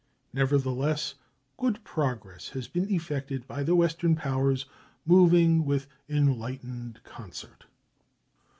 Nevertheless, good progress has been effected by the Western powers, moving with enlightened concert.